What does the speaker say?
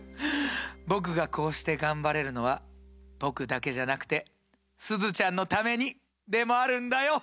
僕がこうして頑張れるのは僕だけじゃなくてすずちゃんのためにでもあるんだよ！